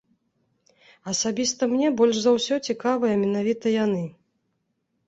Асабіста мне больш за ўсё цікавыя менавіта яны.